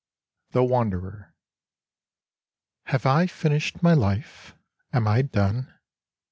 II The Wanderer Have I finished my life, am I done?